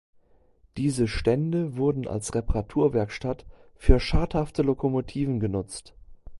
Diese Stände wurden als Reparaturwerkstatt für schadhafte Lokomotiven genutzt.